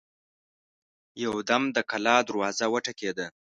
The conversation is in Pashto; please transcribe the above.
يودم د کلا دروازه وټکېده.